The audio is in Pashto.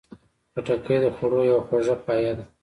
خټکی د خوړو یوه خواږه پایه ده.